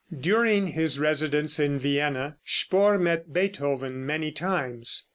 During his residence in Vienna, Spohr met Beethoven many times.